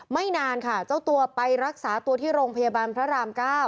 ไม่นานค่ะเจ้าตัวไปรักษาตัวที่โรงพยาบาลพระราม๙